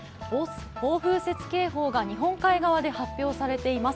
暴風雪警報が日本海側で発令されています。